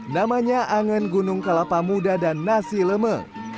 namanya angan gunung kelapa muda dan nasi lemeng